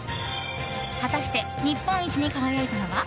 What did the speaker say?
果たして日本一に輝いたのは？